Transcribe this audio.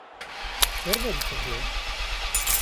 Zer deritzozue?